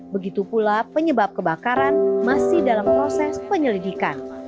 begitu pula penyebab kebakaran masih dalam proses penyelidikan